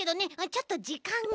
ちょっとじかんが。